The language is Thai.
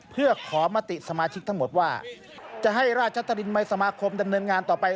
เพื่อขอมติสมาชิกทั้งหมดว่าจะให้ราชตรินมัยสมาคมดำเนินงานต่อไป